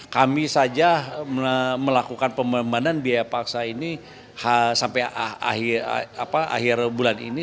kami saja melakukan pembebanan biaya paksa ini sampai akhir bulan ini